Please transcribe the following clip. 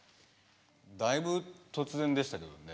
だいぶ突然でしたけどね。